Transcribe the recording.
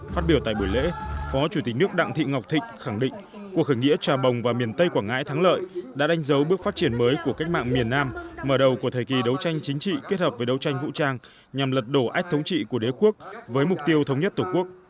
phát biểu tại buổi lễ phó chủ tịch nước đặng thị ngọc thịnh khẳng định cuộc khởi nghĩa trà bồng và miền tây quảng ngãi thắng lợi đã đánh dấu bước phát triển mới của cách mạng miền nam mở đầu của thời kỳ đấu tranh chính trị kết hợp với đấu tranh vũ trang nhằm lật đổ ách thống trị của đế quốc với mục tiêu thống nhất tổ quốc